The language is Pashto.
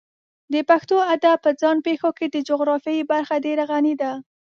د پښتو ادب په ځان پېښو کې د جغرافیې برخه ډېره غني ده.